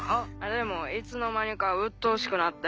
でもいつの間にかうっとうしくなって。